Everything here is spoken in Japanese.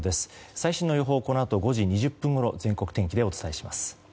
最新の予報はこのあと５時２０分ごろ全国天気でお伝えします。